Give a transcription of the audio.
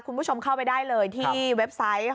คุณผู้ชมเข้าไปได้เลยที่เว็บไซต์